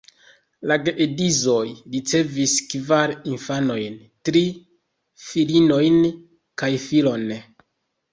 La geedzoj ricevis kvar infanojn: tri filinojn kaj filon.